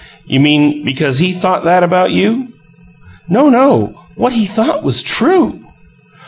"You mean because he thought that about you?" "No, no! What he thought was TRUE!"